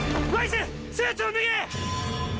スーツを脱げ！